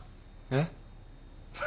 えっ？